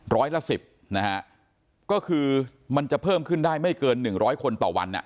ร้อยละ๑๐นะฮะก็คือมันจะเพิ่มขึ้นได้ไม่เกิน๑๐๐คนต่อวัน